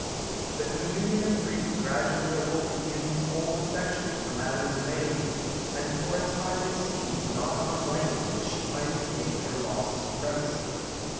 The communion of grief gradually awoke in him his old affection for Madame de Mailly; and for a time it seemed not unlikely that she might regain her lost supremacy.